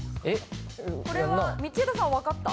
これは道枝さんわかった？